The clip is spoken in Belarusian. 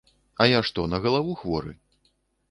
А я што, на галаву хворы?